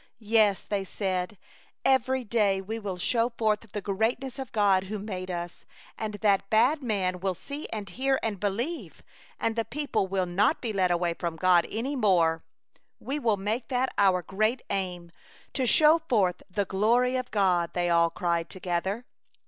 " Yes," they said, " every day we will show forth the greatness of God who made us, and that bad man will see and hear and believe, and the people will not be led away from God any more/' '* We will make that our great aim, to show forth the glory of God,'' they all cried together.